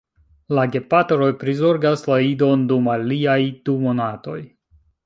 La gepatroj prizorgas la idon dum aliaj du monatoj.